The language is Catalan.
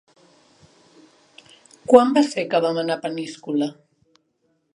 Quan va ser que vam anar a Peníscola?